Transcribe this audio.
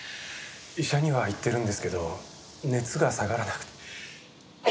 医者には行ってるんですけど熱が下がらなくて。